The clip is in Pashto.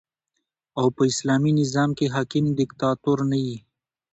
او په اسلامي نظام کښي حاکم دیکتاتور نه يي.